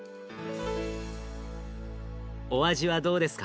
お味はどうですか？